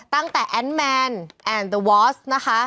ตั้งแต่แอนด์แมนแอนเตอร์วอสนะคะ